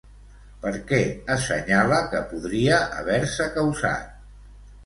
Per què assenyala que podria haver-se causat?